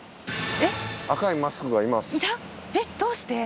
えっどうして？